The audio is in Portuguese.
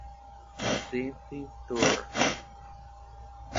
detentor